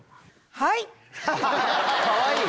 「はい！」。